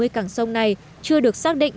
cảng sông này chưa được xác định